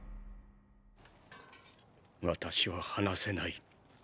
私は話せない。